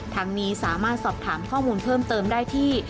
ทั้งนี้สามารถสอบถามข้อมูลเพิ่มเติมได้ที่